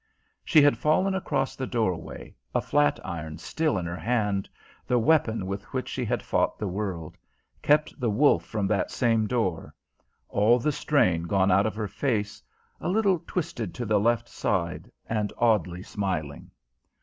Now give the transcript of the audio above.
She had fallen across the doorway, a flat iron still in her hand the weapon with which she had fought the world, kept the wolf from that same door all the strain gone out of her face, a little twisted to the left side, and oddly smiling.